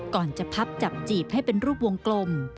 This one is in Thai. ก่อนจะพับจับจีบให้เป็นรูปวงกลม